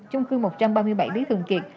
chung cư một trăm ba mươi bảy lý thường kiệt